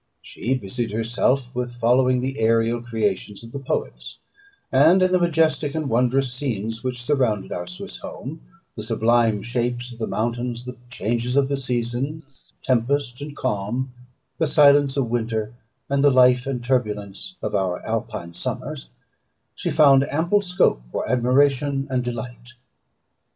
She busied herself with following the aerial creations of the poets; and in the majestic and wondrous scenes which surrounded our Swiss home the sublime shapes of the mountains; the changes of the seasons; tempest and calm; the silence of winter, and the life and turbulence of our Alpine summers, she found ample scope for admiration and delight.